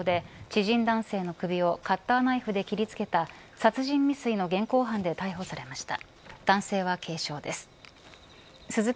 鈴木徹容疑者は昨夜横須賀市の路上で知人男性の首をカッターナイフで切りつけた殺人未遂の現行犯で逮捕されました。